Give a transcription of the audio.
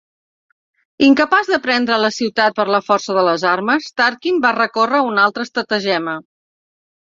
Incapaç de prendre la ciutat per la força de les armes, Tarquin va recórrer a una altra estratagema.